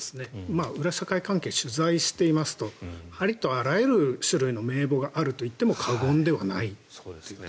裏社会関係を取材していますとありとあらゆる種類の名簿があるといっても過言ではない。